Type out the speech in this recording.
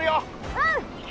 うん！